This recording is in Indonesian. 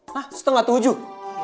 hah setengah tujuh